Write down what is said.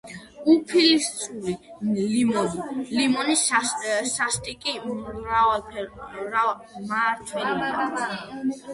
უფლისწული ლიმონი სასტიკი მმართველია.